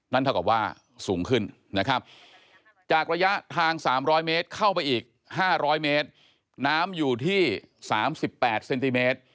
เท่ากับว่าสูงขึ้นนะครับจากระยะทาง๓๐๐เมตรเข้าไปอีก๕๐๐เมตรน้ำอยู่ที่๓๘เซนติเมตร